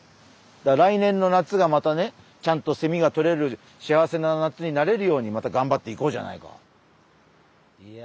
だから来年の夏がまたねちゃんとセミがとれる幸せな夏になれるようにまたがんばっていこうじゃないか。